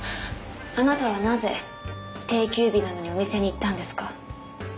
あなたはなぜ定休日なのにお店に行ったんですか？